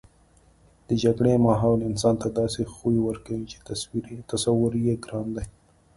د جګړې ماحول انسان ته داسې خوی ورکوي چې تصور یې ګران دی